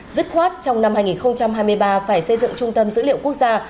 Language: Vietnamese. dứt khoát trong năm hai nghìn hai mươi ba phải xây dựng trung tâm dữ liệu quốc gia